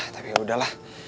tapi ya udahlah